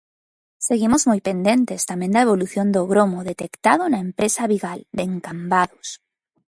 Seguimos moi pendentes tamén da evolución do gromo detectado na empresa Avigal, en Cambados.